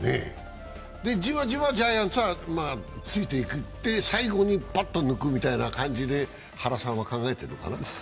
じわじわジャイアンツはついていく、最後にパッと抜くみたいな感じで原さんは考えてるのかな？